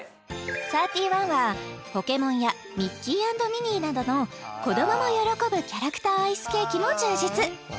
サーティワンはポケモンやミッキー＆ミニーなどの子供も喜ぶキャラクターアイスケーキも充実